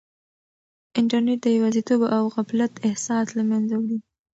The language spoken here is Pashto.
انټرنیټ د یوازیتوب او غفلت احساس له منځه وړي.